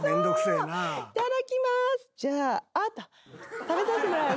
いただきます。